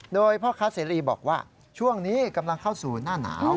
โดยพ่อค้าเสรีบอกว่าช่วงนี้กำลังเข้าสู่หน้าหนาว